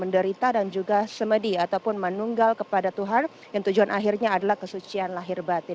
menderita dan juga semedi ataupun menunggal kepada tuhan yang tujuan akhirnya adalah kesucian lahir batin